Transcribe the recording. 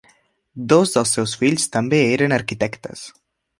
Dos dels seus fills també eren arquitectes.